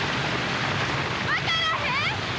分からへん！